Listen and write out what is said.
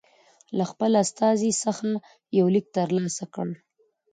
له خپل استازي څخه یو لیک ترلاسه کړ.